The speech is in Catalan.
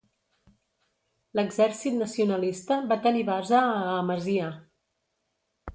L'exèrcit nacionalista va tenir base a Amasya.